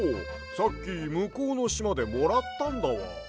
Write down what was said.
さっきむこうのしまでもらったんだわ。